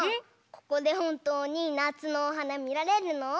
ここでほんとうになつのおはなみられるの？